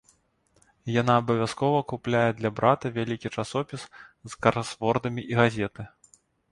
Яна абавязкова купляе для брата вялікі часопіс з красвордамі і газеты.